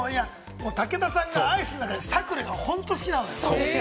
武田さんがアイスの中でサクレが本当に好き。